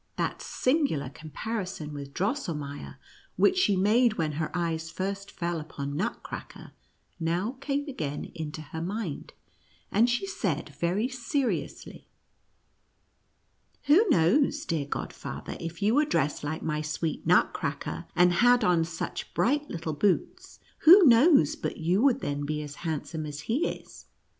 That singu lar comparison with Drosselmeier, which she made when her eyes first fell upon Nutcracker, now came again into her mind, and she said very seriously :" Who knows, dear godfather, if you were dressed like nry sweet Nutcracker, and had on such bright little boots — who knows but you would then be as handsome as he is